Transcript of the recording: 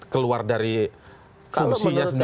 keluar dari fungsinya sendiri